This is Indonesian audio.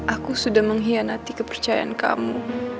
aku sudah mengkhianati kepercayaan kamu